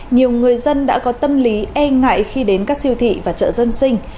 nhiều người dân đã có tâm lý e ngại khi đến các siêu thị và chợ dân sinh